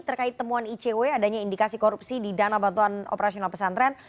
terkait temuan icw adanya indikasi korupsi di dana bantuan operasional pesantren